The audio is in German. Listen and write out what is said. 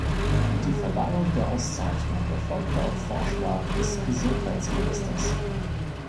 Die Verleihung der Auszeichnung erfolgte auf Vorschlag des Gesundheitsministers.